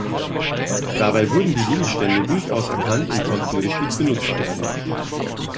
Dabei wurden die Gegenstände durchaus erkannt und konnten richtig benutzt werden.